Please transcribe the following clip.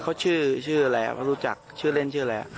เขาชื่อชื่ออะไรเขารู้จักชื่อเล่นชื่ออะไร